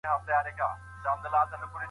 ای الله ته به مي وبخښې .